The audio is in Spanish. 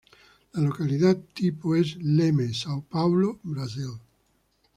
La localidad tipo es: Leme, São Paulo, Brasil.